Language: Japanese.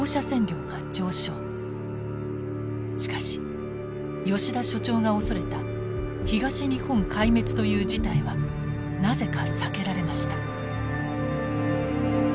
しかし吉田所長が恐れた東日本壊滅という事態はなぜか避けられました。